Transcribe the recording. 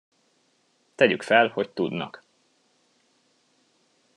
Tegyük fel, hogy tudnak.